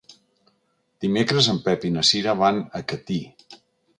Dimecres en Pep i na Cira van a Catí.